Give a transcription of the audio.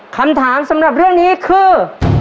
คำถามสำหรับเรื่องนี้คือ